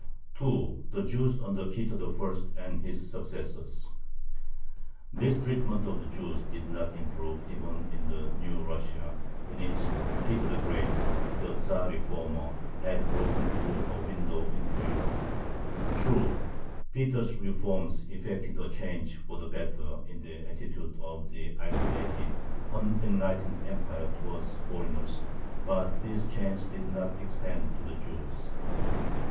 2. THE JEWS UNDER PETER I. AND HIS SUCCESSORS This treatment of the Jews did not improve even in the new Russia, in which Peter the Great, the Tzar Reformer, "had broken through a window into Europe." True, Peter's reforms effected a change for the better in the attitude of the isolated, unenlightened Empire towards foreigners, but this change did not extend to the Jews.